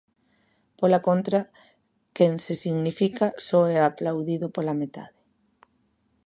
Pola contra, quen se significa só é aplaudido pola metade.